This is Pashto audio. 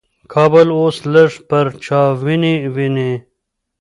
کابل اوس لږ پرچاویني ویني.